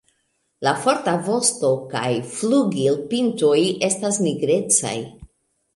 La forta vosto kaj flugilpintoj estas nigrecaj.